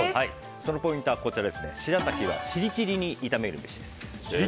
そのポイントはしらたきはチリチリに炒めるべし。